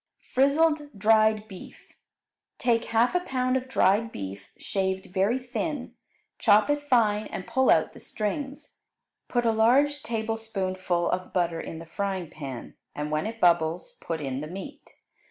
Frizzled Dried Beef Take half a pound of dried beef, shaved very thin. Chop it fine and pull out the strings. Put a large tablespoonful of butter in the frying pan, and when it bubbles put in the meat.